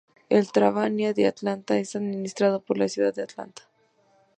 El Tranvía de Atlanta es administrado por la Ciudad de Atlanta.